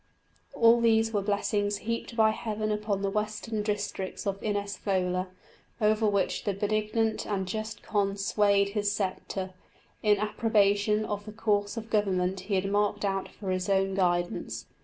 All these were blessings heaped by heaven upon the western districts of Innis Fodhla, over which the benignant and just Conn swayed his sceptre, in approbation of the course of government he had marked out for his own guidance.